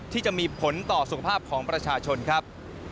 ที่จะมีผลต่อสุขภาพของประชาชนครับ